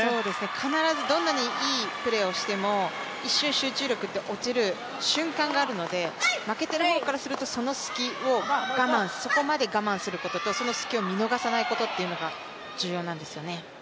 必ずどんなにいいプレーをしても一瞬集中力って落ちる瞬間があるので負けてる方からすると、その隙を我慢、そこまで我慢することとその隙を見逃さないことが重要なんですよね。